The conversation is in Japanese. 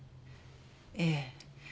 ええ。